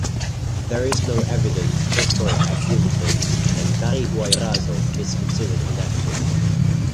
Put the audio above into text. There is no evidence of historic activity and Carihuayrazo is considered inactive.